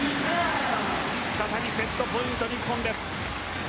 再びセットポイント日本です。